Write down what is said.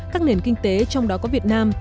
các nền kinh tế trong đó có việt nam